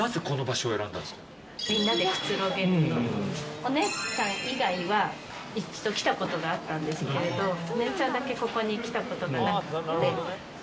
お姉ちゃん以外は一度、来たことがあったんですがお姉ちゃんだけここに来たことがなくて。